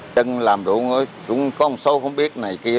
từng làm ruộng cũng có một số không biết này kia